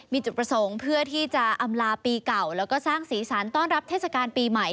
มีจุดประสงค์เพื่อที่จะอำลาปีเก่าแล้วก็สร้างสีสันต้อนรับเทศกาลปีใหม่